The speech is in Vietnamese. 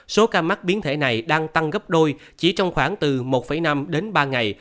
số ca mắc biến thể này đang tăng gấp đôi chỉ trong khoảng từ một năm đến ba ngày